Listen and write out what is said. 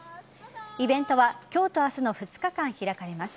イベントは今日と明日の２日間開かれます。